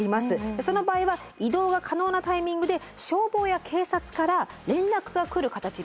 その場合は移動が可能なタイミングで消防や警察から連絡が来る形になっている。